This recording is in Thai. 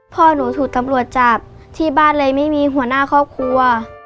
พ่อหนูถูกตำรวจจับที่บ้านเลยไม่มีหัวหน้าครอบครัว